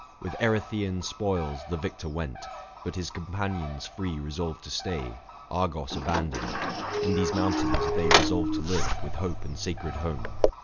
With Erytheian spoils the victor went ; 740 But his companions free resolved to stay, Argos abandoned : in these mountains they Resolved to live, with hope and sacred home.